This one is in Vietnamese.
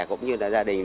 cũng như là gia đình